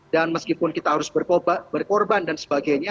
dan meskipun kita harus berkorban dan sebagainya